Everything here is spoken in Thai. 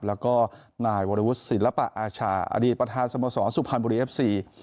แล้วก็นายวรวุฒิศิลปะอาชาอดีตประธานสโมสรสุพรรณบุรีเอฟซี